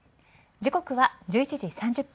時刻は１１時３０分。